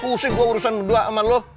pusing gue urusan berdua sama lo